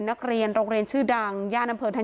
พ่อแม่มาเห็นสภาพศพของลูกร้องไห้กันครับขาดใจ